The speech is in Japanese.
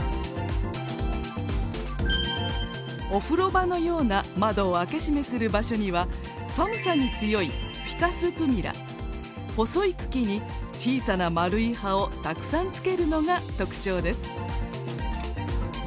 お風呂場のような窓を開け閉めする場所には寒さに強い細い茎に小さな丸い葉をたくさんつけるのが特徴です。